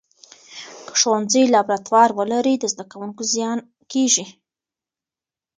که ښوونځي لابراتوار ولري، د زده کوونکو زیان کېږي.